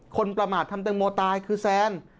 ประมาททำแตงโมตายคือแซน